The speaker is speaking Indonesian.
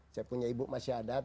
saya punya ibu masih adat